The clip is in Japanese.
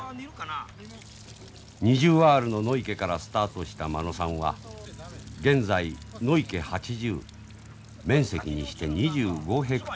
２０アールの野池からスタートした間野さんは現在野池８０面積にして２５ヘクタール。